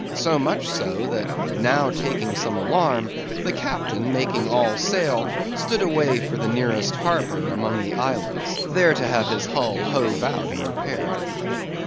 So much so, that now taking some alarm, the captain, making all sail, stood away for the nearest harbor among the islands, there to have his hull hove out and repaired.